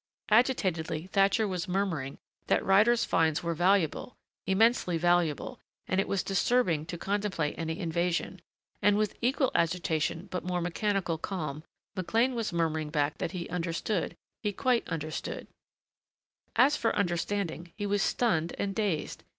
Agitatedly Thatcher was murmuring that Ryder's finds were valuable, immensely valuable, and it was disturbing to contemplate any invasion, and with equal agitation but more mechanical calm McLean was murmuring back that he understood he quite understood As for understanding he was stunned and dazed.